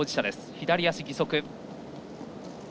左足が義足。